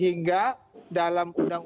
yang pertama adalah hukuman mati